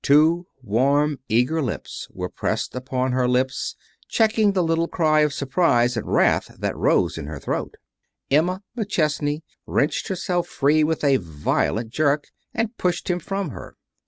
Two warm, eager lips were pressed upon her lips, checking the little cry of surprise and wrath that rose in her throat. Emma McChesney wrenched herself free with a violent jerk, and pushed him from her.